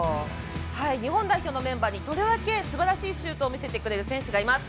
日本代表のメンバーにとりわけ、すばらしいシュートを見せてくれる選手がいます。